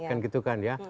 kan gitu kan ya